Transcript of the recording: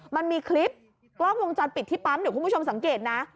มันมีคลิปกล้องวงจรปิดที่ปั๊มเดี๋ยวคุณผู้ชมสังเกตนะ